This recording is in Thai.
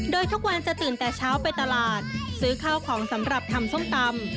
โดยทุกวันจะตื่นแต่เช้าไปตลาดซื้อข้าวของสำหรับทำส้มตำ